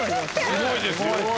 すごいですよ。